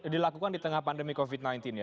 dilakukan di tengah pandemi covid sembilan belas ya